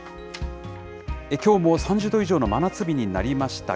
きょうも３０度以上の真夏日になりました。